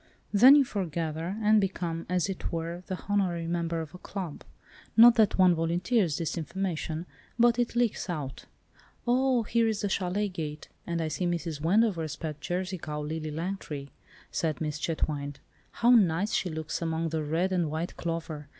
Then you foregather, and become, as it were, the honorary member of a club. Not that one volunteers this information, but it leaks out." "Oh, here is the châlet gate, and I see Mrs. Wendover's pet Jersey cow, 'Lily Langtry,'" said Miss Chetwynde. "How nice she looks among the red and white clover.